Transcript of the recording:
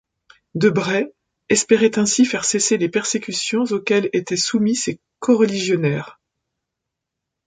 De Brès espérait ainsi faire cesser les persécutions auxquelles étaient soumis ses coreligionnaires.